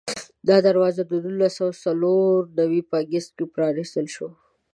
دا دروازه د نولس سوه څلور نوي په اګست کې پرانستل شوه.